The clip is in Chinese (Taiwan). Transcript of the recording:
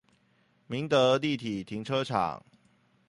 民德立體停車場